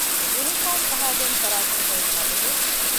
ޔުނީފޯމު ފަހައިދޭނެ ފަރާތެއް ހޯދުމާ ބެހޭ